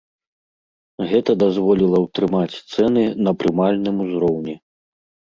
Гэта дазволіла ўтрымаць цэны на прымальным узроўні.